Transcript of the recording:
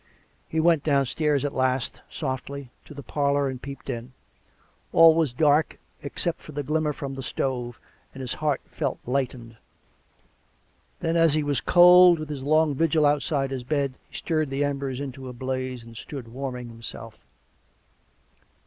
He went downstairs at last, softly, to the parlour, and peeped in. All was dark, except for the glimmer from the stove, and his heart felt lightened. Then, as he was cold with his long vigil outside his bed, he stirred the embers into a blaze and stood warming himself.